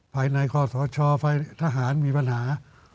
ภายในกรทชภายทหารมีปัญหา